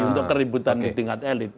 untuk keributan di tingkat elit